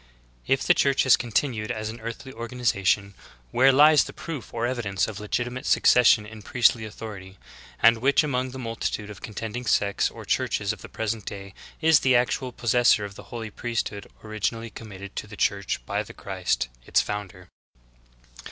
If the Church has continued as an earthly organiza tion, where lies the proof or evidence of legitimat:e succes sion in priestly authority, and which among the multitude of contending sects or churches of the present day is the actual possessor of the holy priesthood originally committed to the Church by the Christ, its founder?